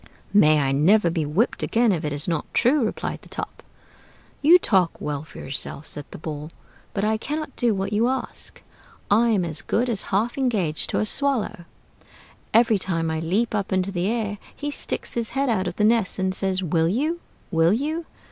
"May I never be whipped again if it is not true!" replied the Top. "You talk well for yourself," said the Ball, "but I cannot do what you ask. I am as good as half engaged to a swallow: every time I leap up into the air he sticks his head out of the nest and says, 'Will you? will you?'